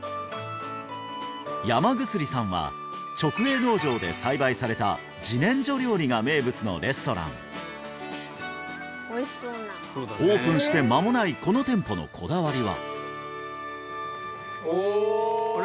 山薬さんは直営農場で栽培された自然薯料理が名物のレストランオープンして間もないこの店舗のこだわりはおお！